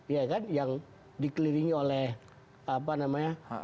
ya kan yang dikelilingi oleh apa namanya